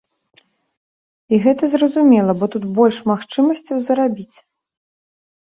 І гэта зразумела, бо тут больш магчымасцяў зарабіць.